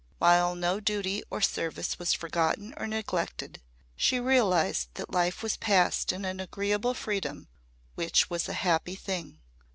While no duty or service was forgotten or neglected, she realised that life was passed in an agreeable freedom which was a happy thing.